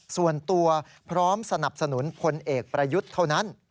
ส่วนตัวพร้อมสนับสนุนพลเอกประยุทธ์เท่านั้น